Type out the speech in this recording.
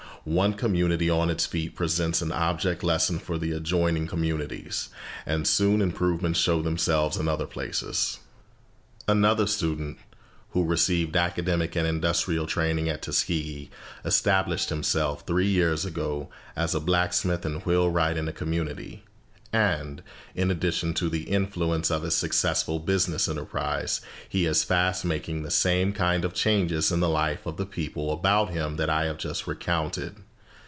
One community on its feet presents an object lesson for the adjoining communities, and soon improvements show themselves in other places. Another student, who received academic and industrial training at Tuskegee, established himself, three years ago, as a blacksmith and wheelwright in a community; and, in addition to the influence of his successful business enterprise, he is fast making the same kind of changes in the life of the people about him that I have just recounted.